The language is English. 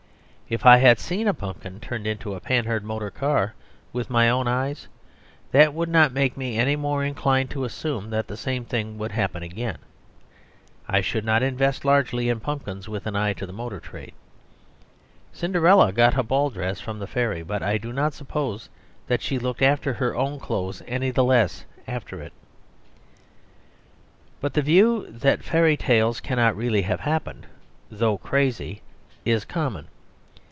If I had seen a pumpkin turned into a Panhard motor car with my own eyes that would not make me any more inclined to assume that the same thing would happen again. I should not invest largely in pumpkins with an eye to the motor trade. Cinderella got a ball dress from the fairy; but I do not suppose that she looked after her own clothes any the less after it. But the view that fairy tales cannot really have happened, though crazy, is common.